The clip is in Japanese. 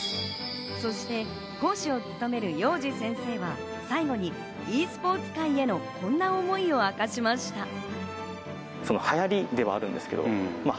そして講師を務めるヨウジ先生は、最後にｅスポーツ界へのこんな思いを明かしました。